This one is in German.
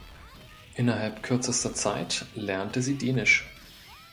Innerhalb kürzester Zeit lernte sie Dänisch.